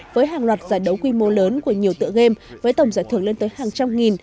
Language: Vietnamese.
với hàng loạt giải đấu quy mô lớn của nhiều tựa game với tổng giải thưởng lên tới hàng trăm nghìn